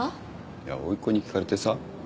いやおいっ子に聞かれてさ。